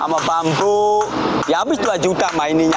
ambil pampu ya habis dua juta mainin aja